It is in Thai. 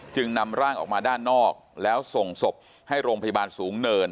จึงนำร่างออกมาด้านนอกแล้วส่งศพให้โรงพยาบาลสูงเนิน